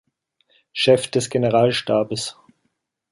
Chef des Generalstabes.